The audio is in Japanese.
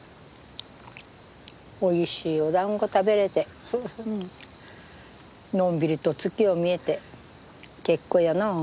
おいしいおだんご食べれてのんびりと月を見れて結構やなあ。